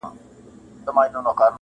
پر اوږو یې ټکاوه ورته ګویا سو-